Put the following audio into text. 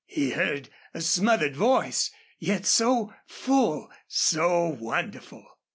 He heard a smothered voice, yet so full, so wonderful!